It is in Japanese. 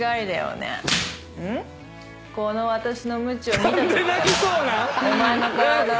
「この私のむちを見たときから」